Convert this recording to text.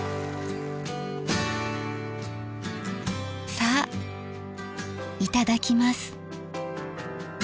さあいただきます。